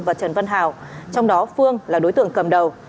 và trần văn hào trong đó phương là đối tượng cầm đầu